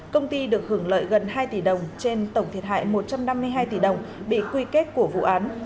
công ty được hưởng lợi gần hai tỷ đồng trên tổng thiệt hại một trăm năm mươi hai tỷ đồng bị quy kết của vụ án